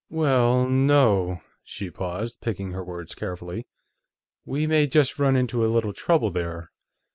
"Well, no." She paused, picking her words carefully. "We may just run into a little trouble, there.